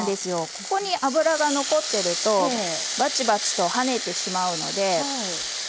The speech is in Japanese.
ここに油が残ってるとバチバチとはねてしまうので。